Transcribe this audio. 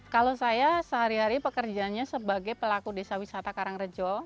kalau saya sehari hari pekerjaannya sebagai pelaku desa wisata karangrejo